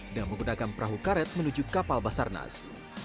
dengan menggunakan perahu karet menuju kapal basarnas